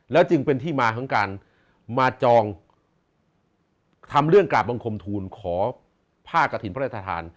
จึงเป็นที่มาของการมาจองทำเรื่องกราบบังคมทูลขอผ้ากระถิ่นพระราชทาน